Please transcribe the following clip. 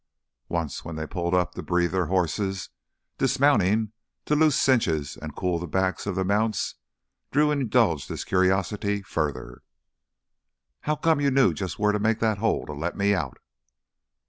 Once when they pulled up to breathe their horses, dismounting to loose cinches and cool the backs of the mounts, Drew indulged his curiosity further. "How come you knew just where to make that hole to let me out?"